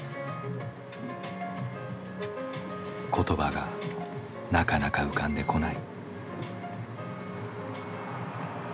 言葉がなかなか浮かんでこない。